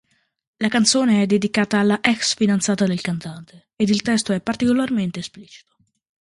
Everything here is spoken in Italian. La canzone è dedicata alla ex-fidanzata del cantante, ed il testo è particolarmente esplicito.